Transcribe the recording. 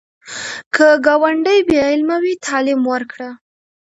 که ګاونډی بې علمه وي، تعلیم ورکړه